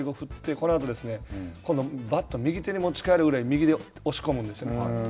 このあと、今度バットを右手に持ちかえるぐらい右で押し込むんですよね。